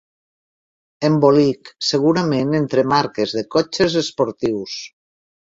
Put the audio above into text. Embolic, segurament entre marques de cotxes esportius.